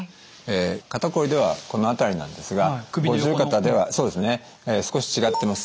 肩こりではこの辺りなんですが五十肩では少し違ってます。